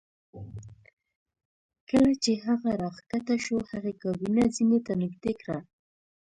کله چې هغه راښکته شو هغې کابینه زینې ته نږدې کړه